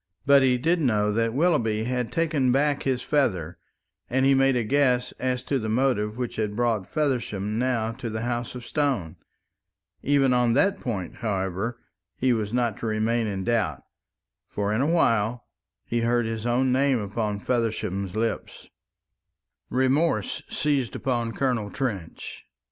But he did know that Willoughby had taken back his feather, and he made a guess as to the motive which had brought Feversham now to the House of Stone. Even on that point, however, he was not to remain in doubt; for in a while he heard his own name upon Feversham's lips. Remorse seized upon Colonel Trench.